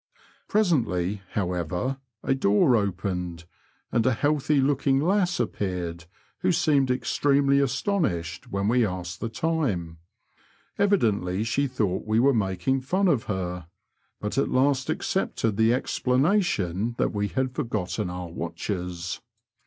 Presently, however, a door opened, and a healthy looking lass appeared, who seemed extremely astonished when we asked the time ; evidently she thought we were making fan of her, bat at last accepted the explanation that we had forgotten oar watches.